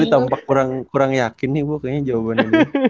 tapi tampak kurang yakin nih bu kayaknya jawabannya